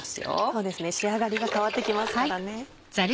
そうですね仕上がりが変わってきますからね。